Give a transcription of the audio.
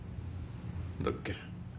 だっけ？